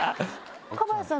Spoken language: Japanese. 若林さん